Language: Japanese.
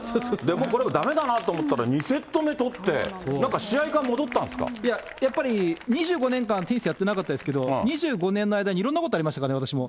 もう、これだめだなと思ったら、２セット目取って、やっぱり２５年間テニスやってなかったですけど、２５年の間にいろんなことありますからね、私も。